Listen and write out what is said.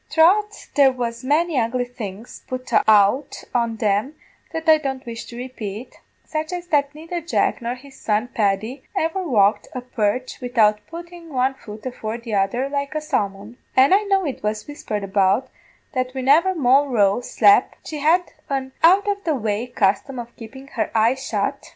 Troth there was many ugly things put out on them that I don't wish to repate, such as that neither Jack nor his son Paddy ever walked a perch widout puttin' one foot afore the other like a salmon; an' I know it was whispered about, that whinever Moll Roe slep', she had an out of the way custom of keepin' her eyes shut.